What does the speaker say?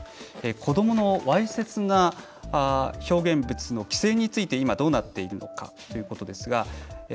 子どものわいせつな表現物の規制について今、どうなっているのかということですが。